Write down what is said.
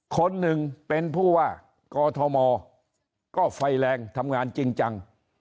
คนหนึ่งเป็นผู้ว่ากอทมก็ไฟแรงทำงานจริงจัง